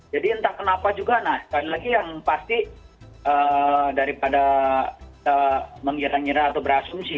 jadi entah kenapa juga nah sekali lagi yang pasti daripada mengira ngira atau berasumsi